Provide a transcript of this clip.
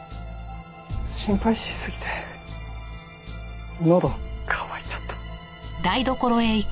心配しすぎてのど渇いちゃった。